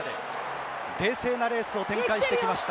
冷静なレースを展開してきました。